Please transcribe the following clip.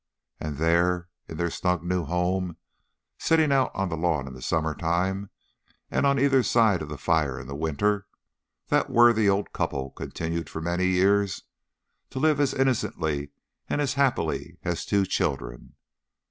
And there in their snug new home, sitting out on the lawn in the summer time, and on either side of the fire in the winter, that worthy old couple continued for many years to live as innocently and as happily as two children.